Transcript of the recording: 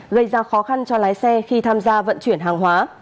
gây ra khó khăn cho lái xe khi tham gia vận chuyển hàng hóa